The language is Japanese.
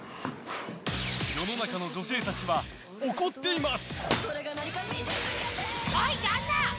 世の女性たちは、怒っています。